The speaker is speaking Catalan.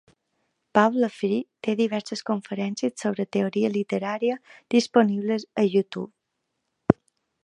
Paul Fry té diverses conferències sobre "teoria literària" disponibles a YouTube.